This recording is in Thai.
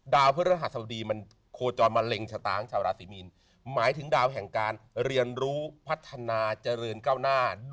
ดาวพฤติภัษฐภาษาสวรรดิโครจรมรเร่งขตางชาวราศีมีนหมายถึงดาวแห่งการเรียนรู้พัฒนาเจริญเก้าหน้า